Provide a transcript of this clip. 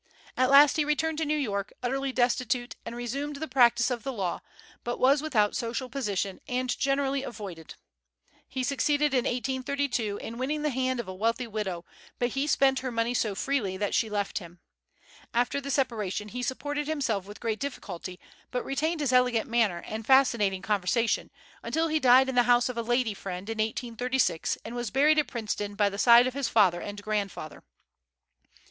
At last he returned to New York, utterly destitute, and resumed the practice of the law, but was without social position and generally avoided. He succeeded in 1832 in winning the hand of a wealthy widow, but he spent her money so freely that she left him. After the separation he supported himself with great difficulty, but retained his elegant manner and fascinating conversation, until he died in the house of a lady friend in 1836, and was buried at Princeton by the side of his father and grandfather.